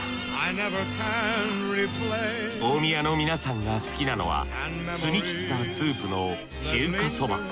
大宮の皆さんが好きなのは澄み切ったスープの中華そば。